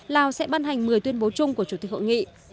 lào sẽ ban hành một mươi tuyên bố chung của chủ tịch hội nghị